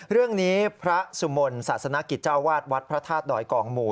เรื่องนี้พระสุมนต์ศาสนกิจเจ้าวาดวัดพระธาตุดอยกองหมู่